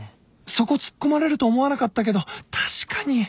そこ突っ込まれると思わなかったけど確かに